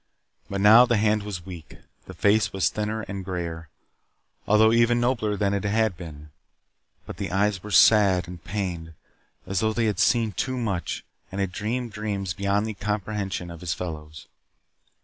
But now the hand was weak the face was thinner and grayer, although even nobler than it had been, but the eyes were sad and pained as though they had seen too much and had dreamed dreams beyond the comprehension of his fellows.